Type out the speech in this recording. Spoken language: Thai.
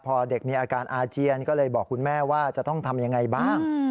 พอเด็กมีอาการอาเจียนก็เลยบอกคุณแม่ว่าจะต้องทำยังไงบ้าง